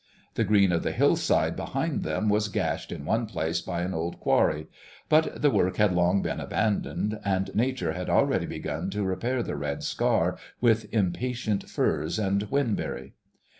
The green of the hillside behind them was gashed in one place by an old quarry; but the work had long been abandoned, and Nature had already begun to repair the red scar with impatient furz and whinberry.